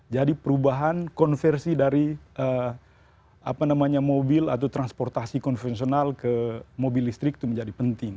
jadi perubahan konversi dari mobil atau transportasi konvensional ke mobil listrik itu menjadi penting